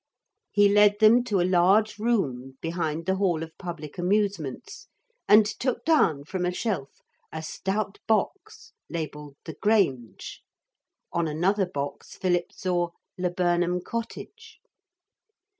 He led them to a large room behind the hall of Public Amusements and took down from a shelf a stout box labelled 'The Grange.' On another box Philip saw 'Laburnum Cottage.'